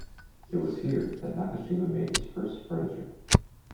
It was here that Nakashima made his first furniture.